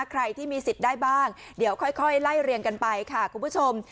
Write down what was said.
ใครที่มีสิทธิ์ได้บ้างเดี๋ยวค่อยไล่เรียงกันไปค่ะคุณผู้ชม